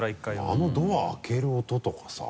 あのドア開ける音とかさ。